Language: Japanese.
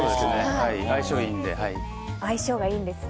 相性がいいので。